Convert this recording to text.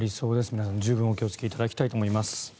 皆さん十分お気をつけいただきたいと思います。